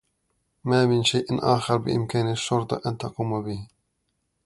ما من شيء آخر بإمكان الشّرطة أن تقوم به.